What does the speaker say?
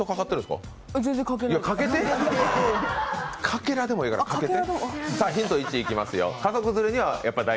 かけらでもいいからかけて。